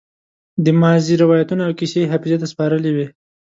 د ماضي روايتونه او کيسې يې حافظې ته سپارلې وي.